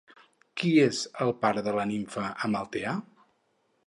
Qui és el pare de la nimfa Amaltea?